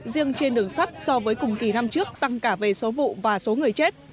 riêng trên đường sắt so với cùng kỳ năm trước tăng cả về số vụ và số người chết